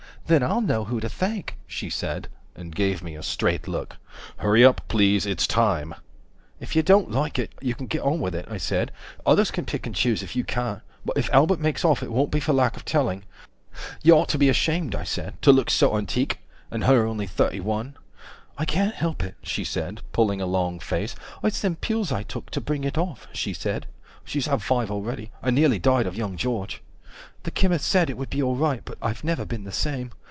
150 Then I'll know who to thank, she said, and give me a straight look. HURRY UP PLEASE ITS TIME If you don't like it you can get on with it, I said, Others can pick and choose if you can't. But if Albert makes off, it won't be for lack of telling. 155 You ought to be ashamed, I said, to look so antique. (And her only thirty one.) I can't help it, she said, pulling a long face, It's them pills I took, to bring it off, she said. (She's had five already, and nearly died of young George.) 160 The chemist said it would be alright, but I've never been the same.